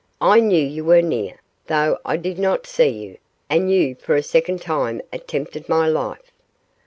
I knew you were near, though I did not see you; and you for a second time attempted my life.